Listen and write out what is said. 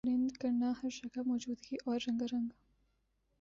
پرند کرنا ہَر جگہ موجودگی اور رنگنا رنگنا